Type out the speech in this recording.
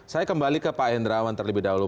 saya kembali ke pak hendrawan terlebih dahulu